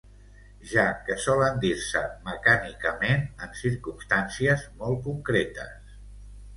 ja que solen dir-se mecànicament en circumstàncies molt concretes